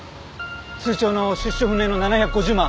通帳の出所不明の７５０万